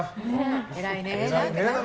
偉いね。